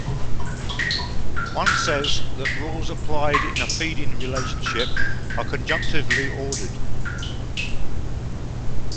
One says that rules applied in a feeding relationship are "conjunctively ordered".